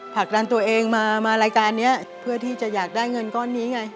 ผลักดันตัวเองมารายการนี้เพื่อที่จะอยากได้เงินก้อนนี้ไง